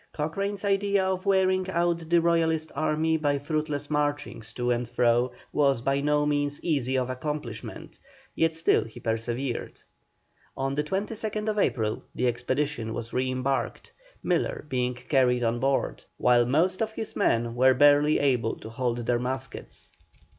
Cochrane's idea of wearing out the Royalist army by fruitless marchings to and fro was by no means easy of accomplishment, yet still he persevered. On the 22nd April the expedition was re embarked, Miller being carried on board, while most of his men were barely able to hold their muskets.